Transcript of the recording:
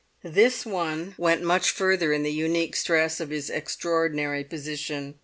This one went much further in the unique stress of his extraordinary position.